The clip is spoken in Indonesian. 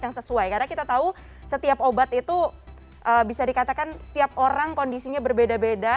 karena kita tahu setiap obat itu bisa dikatakan setiap orang kondisinya berbeda beda